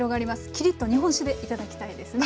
キリッと日本酒でいただきたいですね。